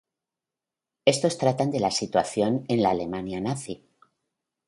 Estos tratan de la situación en la Alemania nazi.